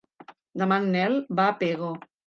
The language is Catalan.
Demà en Nel va a Pego.